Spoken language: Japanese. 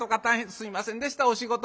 すいませんでしたお仕事中に。